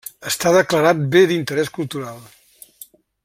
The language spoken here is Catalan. Està declarat Bé d'Interés Cultural.